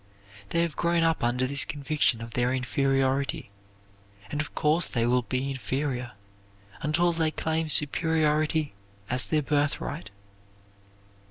They have grown up under this conviction of their inferiority, and of course they will be inferior until they claim superiority as their birthright.